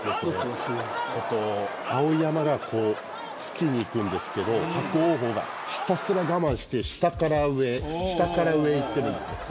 碧山が突きにいくんですけど伯桜鵬がひたすら我慢して下から上へいってるんです。